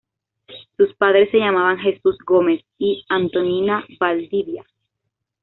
Sus padres se llamaban Jesús Gómez y Antonina Valdivia.